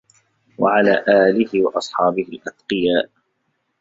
وَعَلَى آلِهِ وَأَصْحَابِهِ الْأَتْقِيَاءِ